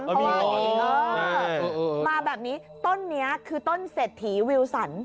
เพราะว่าอ๋อมาแบบนี้ต้นนี้คือต้นเศรษฐีวิวสัน